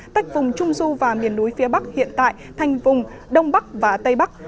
tách vùng trung du và miền núi phía bắc hiện tại thành vùng đông bắc và tây bắc